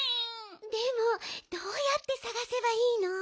でもどうやってさがせばいいの？